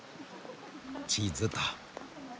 地図っと。